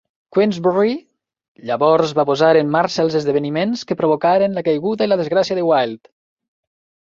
Queensberry llavors va posar en marxa els esdeveniments que provocaren la caiguda i la desgràcia de Wilde.